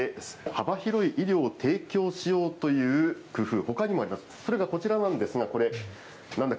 限られたスペースで幅広い医療を提供しようという工夫、ほかにもあります。